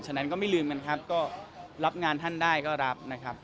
ฉะนั้นก็ไม่ลืมกันครับก็รับงานท่านได้ก็รับนะครับ